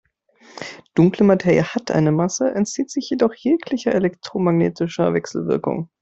Dunkle Materie hat eine Masse, entzieht sich jedoch jeglicher elektromagnetischer Wechselwirkung.